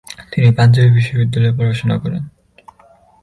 তিনি পাঞ্জাবী বিশ্ববিদ্যালয়ে পড়াশোনা করেন।